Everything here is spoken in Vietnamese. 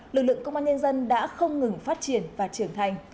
lực lượng công an nhân dân đã không ngừng phát triển và trưởng thành